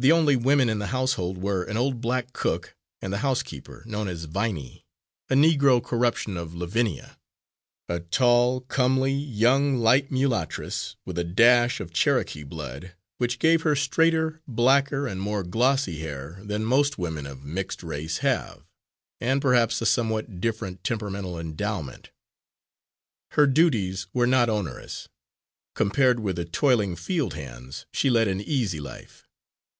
The only women in the household were an old black cook, and the housekeeper, known as "Viney" a Negro corruption of Lavinia a tall, comely young light mulattress, with a dash of Cherokee blood, which gave her straighter, blacker and more glossy hair than most women of mixed race have, and perhaps a somewhat different temperamental endowment. Her duties were not onerous; compared with the toiling field hands she led an easy life.